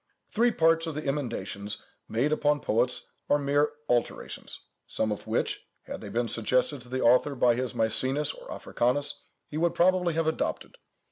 Three parts of the emendations made upon poets are mere alterations, some of which, had they been suggested to the author by his Mæcenas or Africanus, he would probably have adopted.